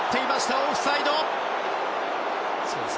オフサイドです。